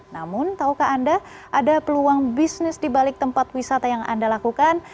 namun tahukah anda ada peluang bisnis di balik tempat wisata yang anda lakukan